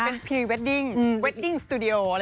เป็นพีรีเวดดิ้งเวดดิ้งสตูดิโออะไรอย่างนี้